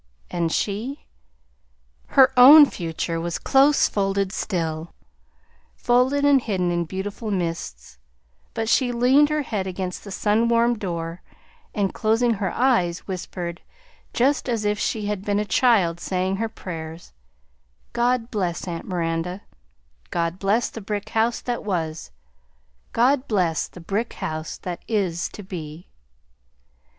And she? Her own future was close folded still; folded and hidden in beautiful mists; but she leaned her head against the sun warmed door, and closing her eyes, whispered, just as if she had been a child saying her prayers: "God bless aunt Miranda; God bless the brick house that was; God bless the brick house that is to be!"